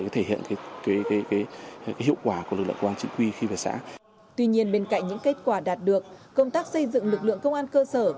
tuy nhiên bên cạnh những kết quả đạt được công tác xây dựng lực lượng công an cơ sở